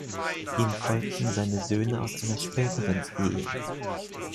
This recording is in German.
Ihm folgten seine Söhne aus einer späteren Ehe.